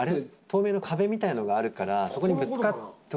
透明の壁みたいのがあるからそこにぶつかって。